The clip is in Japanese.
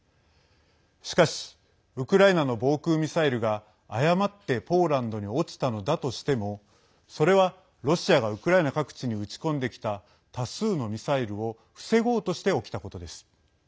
しかし、ウクライナの防空ミサイルが誤ってポーランドに落ちたのだとしてもそれはロシアがウクライナ各地に撃ち込んできた多数のミサイルを防ごうとして起きたことです。